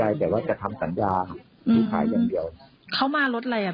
หรือแบบรถเข็นด้วยเนี่ยครับ